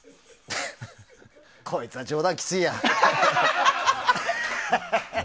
こいつは冗談きついや。